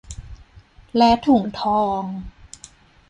และถุงทอง